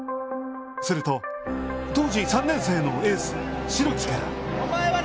すると、当時３年生のエース代木が。